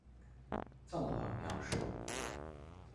綜合描述